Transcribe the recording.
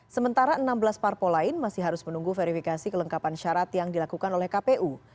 sementara enam belas parpol lain masih harus menunggu verifikasi kelengkapan syarat yang dilakukan oleh kpu